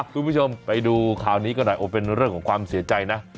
อะทุกผู้ชมไปดูคราวนี้ก็ได้โอเป็นเรื่องของความเสียใจนะ